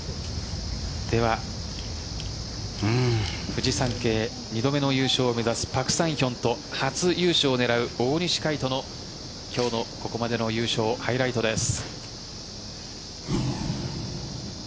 フジサンケイ２度目の優勝を目指すパク・サンヒョンと初優勝を狙う大西魁斗の今日のここまでのハイライトです。